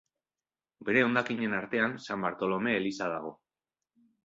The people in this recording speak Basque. Bere hondakinen artean San Bartolome eliza dago.